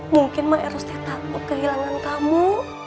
mungkin emak erostek takut kehilangan kamu